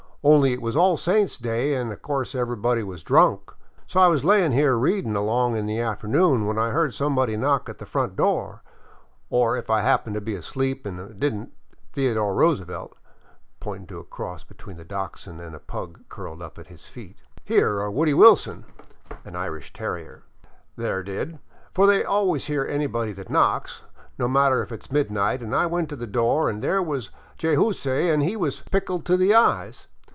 Only it was All Saints' Day an' of course everybody was drunk. So I was layin' here readin' along in the afternoon, when I heard somebody knock at the street door — or if I happened to be asleep an' did n't, Theodore Roosevelt " (pointing to a cross between a Dachshund and a pug curled up at his feet) " here, or Woody Wil son " (an Irish terrier) " there did, for they always hear anybody that knocks, no matter if it 's midnight — an' I went to the door an' there was Jayzoose, an' he was pickled to the eyes.